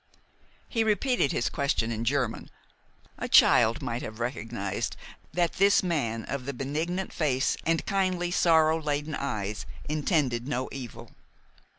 He repeated his question in German. A child might have recognized that this man of the benignant face and kindly, sorrow laden eyes intended no evil.